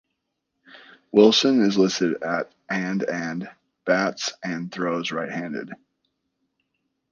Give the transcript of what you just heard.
Wilson is listed at and and bats and throws right handed.